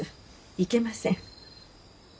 いけません。